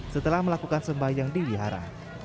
setelah melakukan sembahyang di wihara